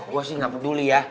gue sih gak peduli ya